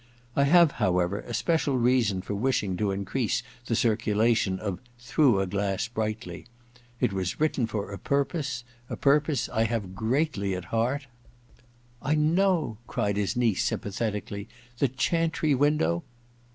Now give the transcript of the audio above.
I have, however, a special reason for wishing to increase the circulation of " Through a Glass Brightly ; it was written for a purpose — z purpose I have greatly at heart ■' 11 EXPIATION 91 *I know,* cried his niece sympathetically. * The chantry window